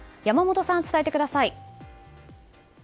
山本さん、伝えてください。